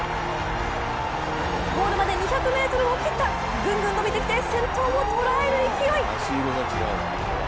ゴールまで２００ｍを切った、ぐんぐん伸びてきて先頭をとらえる勢い！